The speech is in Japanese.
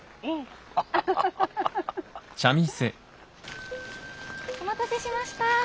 ええ。お待たせしました。